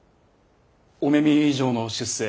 御目見以上の出世。